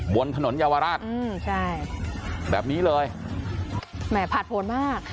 บนถนนเยาวราชอืมใช่แบบนี้เลยแหมผ่านผลมาก